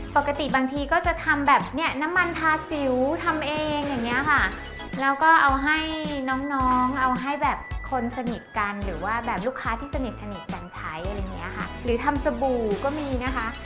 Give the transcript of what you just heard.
ปกติบางทีก็จะทำแบบเนี้ยน้ำมันทาสิวทำเองอย่างเงี้ยค่ะแล้วก็เอาให้น้องน้องเอาให้แบบคนสนิทกันหรือว่าแบบลูกค้าที่สนิทสนิทกันใช้อะไรอย่างเงี้ยค่ะหรือทำสบู่ก็มีนะคะ